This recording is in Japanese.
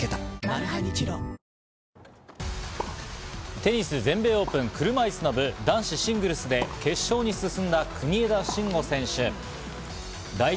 テニス全米オープン車いすの部、男子シングルスで決勝に進んだ国枝慎吾選手。